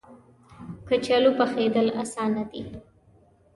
کچالو پخېدل اسانه دي